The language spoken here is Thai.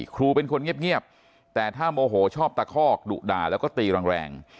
ครูเป็นคนเงียบแต่ถ้าโมโหชอบตะคอกดุด่าแล้วก็ตีแรง